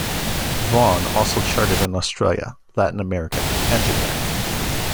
Vaughn also charted in Australia, Latin America and Japan.